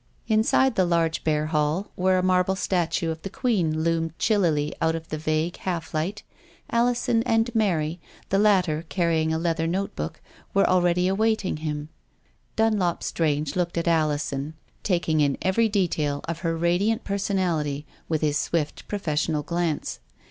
Inside the large bare hall, where a marble statue of the Queen loomed chillily out of the vague half light, Alison and Mary, the 226 NUMBER TWENTY SEVEN. 227 latter carrying a leather note book, were already awaiting him. Dunlop Strange looked at Alison, taking in every detail of her radiant personality with his swift profes sional glance.